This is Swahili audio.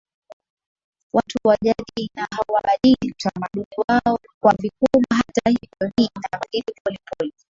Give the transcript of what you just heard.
watu wa jadi na hawabadili utamaduni wao kwa vikubwa Hata hivyo hii inabadilika polepole